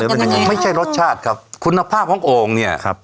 เป็นยังไงไม่ใช่รสชาติครับคุณภาพของโอ่งเนี่ยครับ